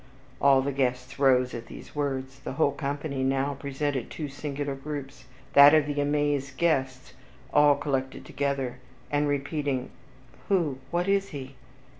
All the guests rose at these words, the whole company now presented two singular groups, that of the amazed guests all collected together, and repeating, "Who, what is he?"